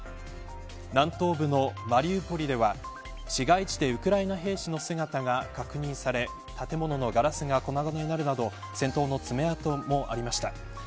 南東部のマリウポリでは市街地でウクライナ兵士の姿が確認され建物のガラスが粉々になるなど戦闘の爪痕もありました。